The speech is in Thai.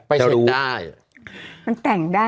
ไปเช็กได้